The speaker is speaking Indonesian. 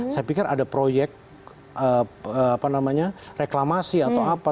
saya pikir ada proyek reklamasi atau apa